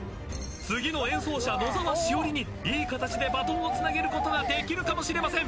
次の演奏者野澤しおりにいい形でバトンをつなげることができるかもしれません。